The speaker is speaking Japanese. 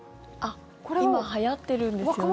今はやってるんですよね。